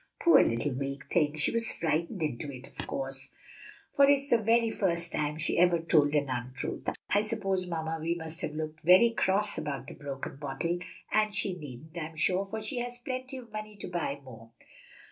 "Poor, little weak thing, she was frightened into it, of course, for it's the very first time she ever told an untruth. I suppose Mamma Vi must have looked very cross about the broken bottle; and she needn't, I'm sure, for she has plenty of money to buy more.